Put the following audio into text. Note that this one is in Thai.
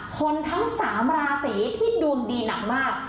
คนทั้งสามราศรีที่ดูงดีหนักมาก